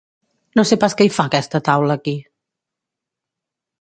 No sé pas què hi fa aquesta taula aquí!